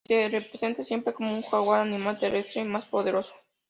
Y se le representa siempre cómo un jaguar, animal terrestre más poderoso.